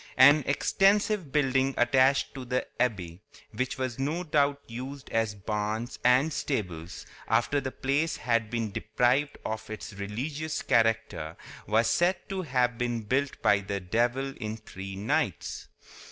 An extensive building attached to the abbey—which was no doubt used as barns and stables after the place had been deprived of its religious character—was said to have been built by the devil in three nights.